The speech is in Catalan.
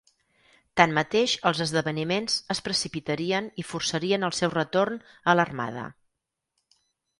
Tanmateix els esdeveniments es precipitarien i forçarien el seu retorn a l'armada.